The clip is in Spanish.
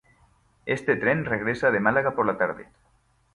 Este tren regresa de Málaga por la tarde.